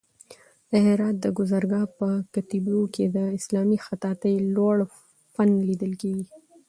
د هرات د گازرګاه په کتيبو کې د اسلامي خطاطۍ لوړ فن لیدل کېږي.